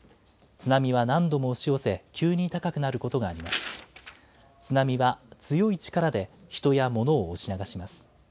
津波は強い力で人や物を押し流します。